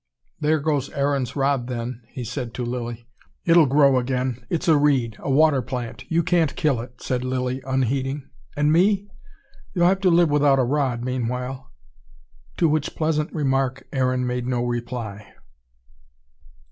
"There goes Aaron's Rod, then," he said to Lilly. "It'll grow again. It's a reed, a water plant you can't kill it," said Lilly, unheeding. "And me?" "You'll have to live without a rod, meanwhile." To which pleasant remark Aaron made no reply.